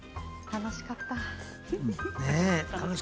楽しかった。